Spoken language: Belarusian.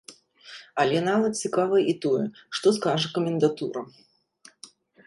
Але нават цікава і тое, што скажа камендатура?